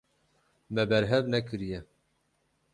Me berhev nekiriye.